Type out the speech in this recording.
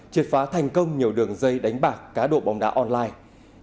triệt phá thành công nhiều đường dây đánh bạc cá độ bóng đá online